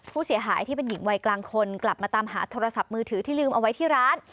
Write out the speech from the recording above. ผู้เสียหายที่เป็นหญิงวัยกลางคนกลับมาตามหาโทรศัพท์มือถือที่ลืมเอาไว้ที่ร้าน